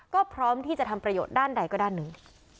ก็พร้อมที่จะทำประโยชน์ด้านใดก็ด้านหนึ่ง